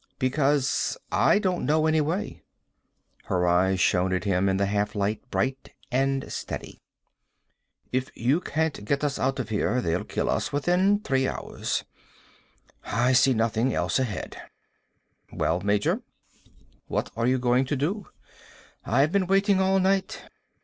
"Because I don't know any way." Her eyes shone at him in the half light, bright and steady. "If you can't get us out of here they'll kill us within three hours. I see nothing else ahead. Well, Major? What are you going to do? I've been waiting all night.